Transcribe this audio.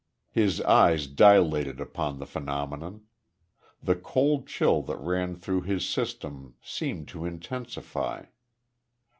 His eyes dilated upon the phenomenon. The cold chill that ran through his system seemed to intensify.